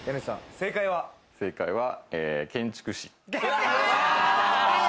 正解は建築士。